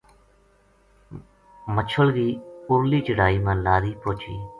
مچھل کی اُرلی چڑھائی ما لاری پوہچی